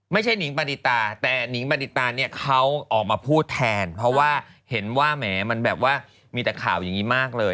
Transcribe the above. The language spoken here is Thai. ไม่ใช่นิ้งปรณิตาแต่นิ้งปรณิตาเขาออกมาพูดแทนเพราะว่าเห็นว่ามันแบบว่ามีแต่ข่าวอย่างนี้มากเลย